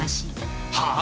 はあ？